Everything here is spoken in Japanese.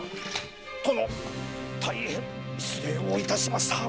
殿大変失礼をいたしました。